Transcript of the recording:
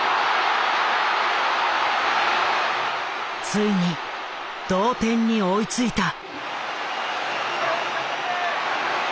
ついに同点に追いついた。